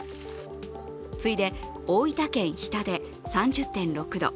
次いで大分県日田で３０．６度。